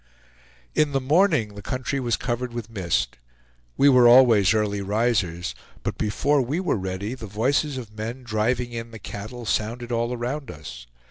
In the morning the country was covered with mist. We were always early risers, but before we were ready the voices of men driving in the cattle sounded all around us.